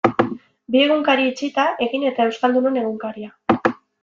Bi egunkari itxita, Egin eta Euskaldunon Egunkaria.